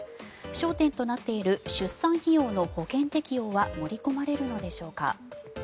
焦点となっている出産費用の保険適用は盛り込まれるのでしょうか。